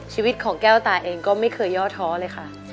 ชีวิตของแก้วตาเองก็ไม่เคยย่อท้อเลยค่ะ